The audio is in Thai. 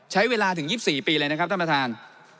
ใช้เวลาถึง๒๔ปีเลยนะครับท่านประธาน